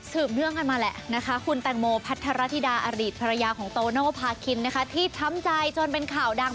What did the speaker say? สืบเรื่องกันมาแหละนะคะคุณแต่งโหมพัฒนฤทธาราธิดาอดีตภรรยาของโตโน่ภาคินที่ทำใจจนเป็นข่าวดัง